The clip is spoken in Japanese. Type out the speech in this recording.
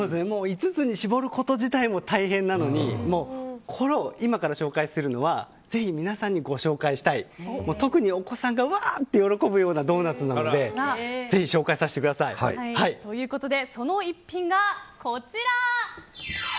５つに絞ること自体大変なのに今から紹介するのはぜひ皆さんにご紹介したい特にお子さんがうわーって喜ぶようなドーナツなのでぜひ紹介させてください。ということでその逸品がこちら。